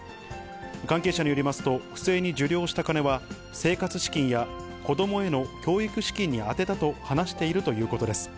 関係者によりますと、不正に受領した金は、生活資金や子どもへの教育資金に充てたと話しているということです。